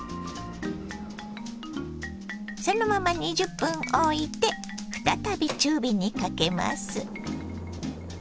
そのまま２０分おいて再び中火にかけます。